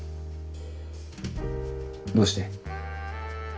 どうして？